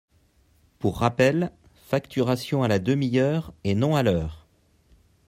Pour rappel, facturation à la ½ heure et non à l’heure.